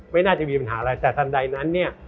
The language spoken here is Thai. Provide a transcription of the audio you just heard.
ไม่น่าจะมีปัญหาอะไรแต่ทันใดนั้นเนี่ย